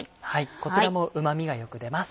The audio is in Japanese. こちらもうまみがよく出ます。